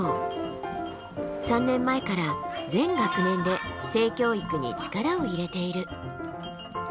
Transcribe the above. ３年前から全学年で性教育に力を入れている。